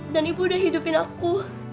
dan ibu udah hidupin aku